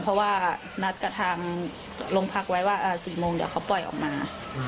เพราะว่านัดกับทางโรงพักไว้ว่า๔โมงเดี๋ยวเขาปล่อยออกมา